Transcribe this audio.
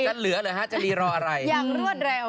จะเหลือหรือฮะจะรีรออะไรอย่างรวดเร็ว